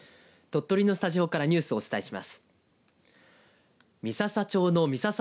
鳥取のスタジオからニュースをお伝えします。